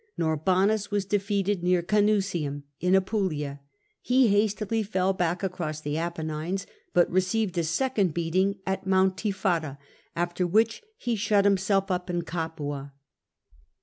Norbanus was defeated near Canusium, in Apulia; he hastily fell back across the Apennines, but received a second beating at Mount Tifata, after which he shut him self up in Capua.